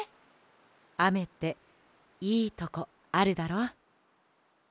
あめっていいとこあるだろ？